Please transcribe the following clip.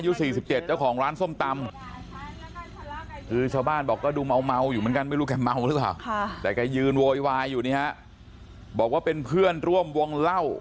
ยุศี๔๗เจ้าของร้านส้มตำ